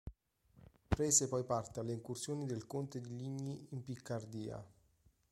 Prese poi parte alle incursioni del conte di Ligny in Piccardia.